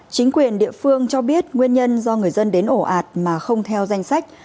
chính quyền địa phương cho biết nguyên nhân do người dân đến ổ ạt mà không theo danh sách